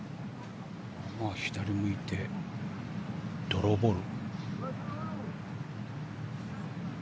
左を向いてドローボール？